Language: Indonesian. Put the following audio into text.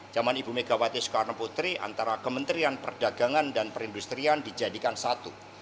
zaman ibu megawati soekarno putri antara kementerian perdagangan dan perindustrian dijadikan satu